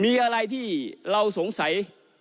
มีอะไรที่เราสงสัย